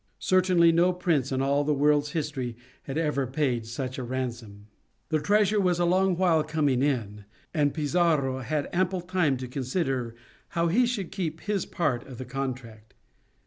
Certainly no prince in all the world's history had ever paid such a ransom. The treasure was a long while coming in; and Pizarro had ample time to consider how he should keep his part of the contract.